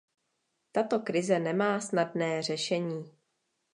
Tato krize nemá snadné řešení.